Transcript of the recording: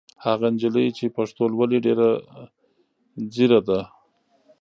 هغه نجلۍ چې پښتو لولي ډېره ځېره ده.